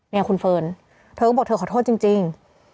เนี่ยคุณเฟิร์นเธอก็บอกเธอขอโทษจริง